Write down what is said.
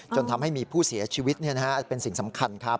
จนทำให้มีผู้เสียชีวิตเป็นสิ่งสำคัญครับ